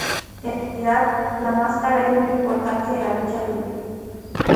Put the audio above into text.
En realidad, la mascara es muy importante en la Lucha Libre.